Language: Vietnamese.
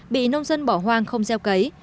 bị nông dân bỏ hoang không gieo cấy